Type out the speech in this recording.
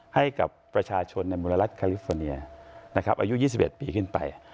ให้กับประชาชนในมละลักษณ์คาลิฟอร์เนียอายุ๒๑ปีขึ้นไป